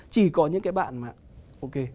chỉ có những bạn mà ok